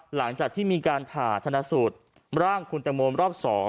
หลังจากที่มีการผ่าชนะสูตรร่างคุณตังโมรอบ๒